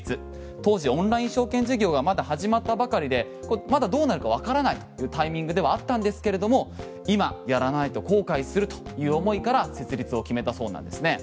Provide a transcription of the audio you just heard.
当時、オンライン証券事業がまだ始まったばかりでまだどうなるかわからないというタイミングではあったんですけれども今やらないと後悔するという思いから設立を決めたそうなんですね。